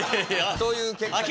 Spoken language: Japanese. そういう結果になるね。